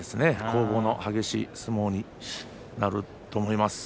攻防の激しい相撲になると思います。